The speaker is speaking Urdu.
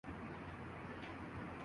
بھوٹان